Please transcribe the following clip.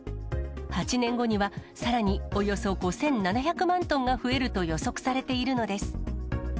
８年後には、さらにおよそ５７００万トンが増えると予測されているのです。